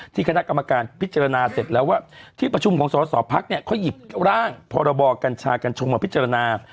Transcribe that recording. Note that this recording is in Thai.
ที่คณะกรรมการพิจารณาเสร็จแล้วที่ประชุมของศศพักดิ์พอหยิบร่างพรจกัญชงมาพิจารณา